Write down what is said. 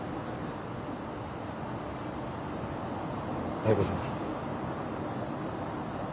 妙子さん。